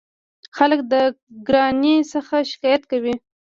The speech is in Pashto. خلک د ګرانۍ څخه شکایت کوي.